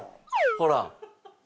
ほら！